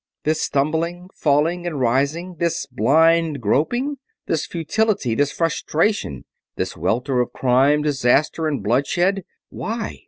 This stumbling, falling, and rising; this blind groping; this futility; this frustration; this welter of crime, disaster, and bloodshed. Why?